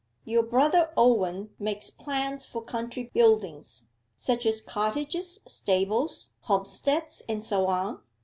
Your brother Owen makes plans for country buildings such as cottages, stables, homesteads, and so on?